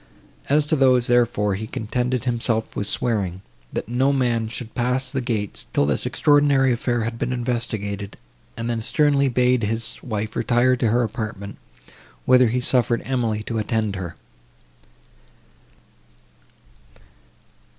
As to those, therefore, he contented himself with swearing, that no man should pass the gates, till this extraordinary affair had been investigated, and then sternly bade his wife retire to her apartment, whither he suffered Emily to attend her.